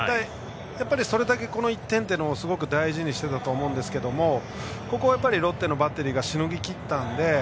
やっぱりそれだけこの１点というのはすごく大事にしていたと思いますがそこをロッテのバッテリーがしのぎきったので。